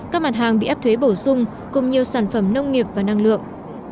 các mặt hàng bị áp thuế bổ sung cùng nhiều sản phẩm nông nghiệp và năng lượng